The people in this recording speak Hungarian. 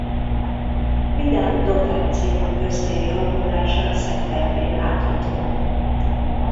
Vidám totem c. köztéri alkotása Szentendrén látható.